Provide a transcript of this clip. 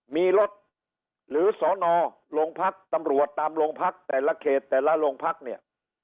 มีรถหรือสอนอโรงพักตำรวจตามโรงพักแต่ละเขตแต่ละโรงพักเนี่ย